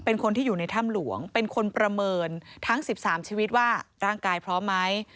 เป็นคนที่อยู่ในถ้ำหลวงเป็นคนประเมินทั้ง๑๓ชีวิตว่าร่างกายพร้อมไหม